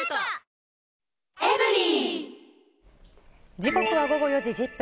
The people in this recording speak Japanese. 時刻は午後４時１０分。